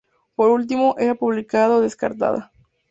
Por último, era publicada o descartada.